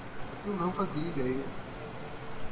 Eu não fazia ideia.